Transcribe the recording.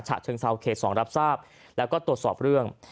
ฉะเชิงเซาเขต๒รับทราบแล้วก็ตรวจสอบเรื่อง